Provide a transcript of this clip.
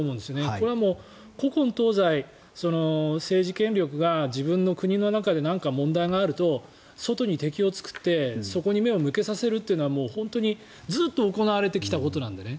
これは古今東西政治権力が自分の国の中でなんか問題があると外に敵を作ってそこに目を向けさせるというのは本当にずっと行われてきたことなので。